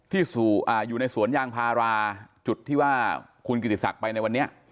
ที่อยู่ในสวนยางพาราจุดที่ว่าคุณกิติศักดิ์ไปในวันนี้